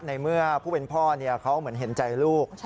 ในเมื่อผู้เป็นพ่อเขาเหมือนเห็นใจลูก